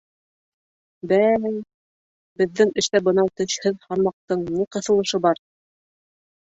— Бә-әй, беҙҙең эштә бынау тешһеҙ һармаҡтың ни ҡыҫылышы бар?